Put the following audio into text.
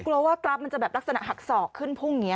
กลัวว่ากราฟมันจะแบบลักษณะหักศอกขึ้นพุ่งอย่างนี้